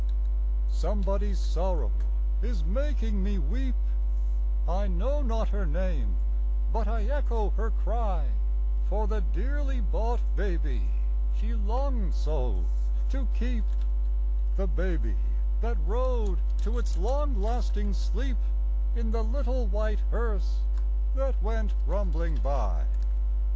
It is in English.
Somebody's sorrow is making me weep: I know not her name, but I echo her cry, For the dearly bought baby she longed so to keep, The baby that rode to its long lasting sleep In the little white hearse that went rumbling by.